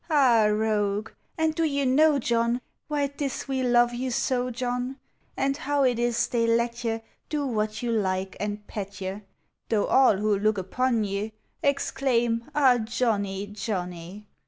Ah rogue ! and do you know, John Why 't is we love you so, John? And how it is thev let ve Do what you like and pet ye, Though all who look upon ye, Exclaim, "Ah, Johnny, Johnny!"